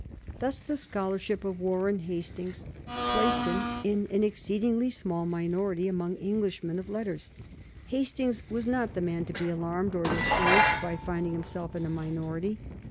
Thus the scholarship of Warren Hastings placed him in an exceedingly small minority among Englishmen of letters. Hastings was not the man to be alarmed or discouraged by finding himself in a minority.